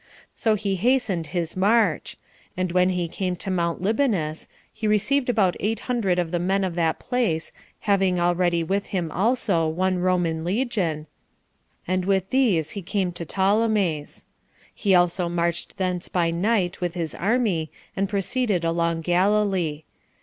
So he hastened his march; and when he came to Mount Libanus, he received about eight hundred of the men of that place, having already with him also one Roman legion, and with these he came to Ptolemais. He also marched thence by night with his army, and proceeded along Galilee.